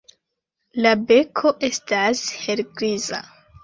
La beko estas helgriza.